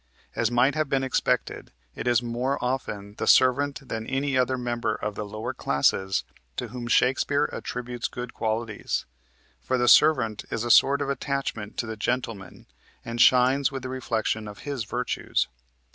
As might have been expected, it is more often the servant than any other member of the lower classes to whom Shakespeare attributes good qualities, for the servant is a sort of attachment to the gentleman and shines with the reflection of his virtues.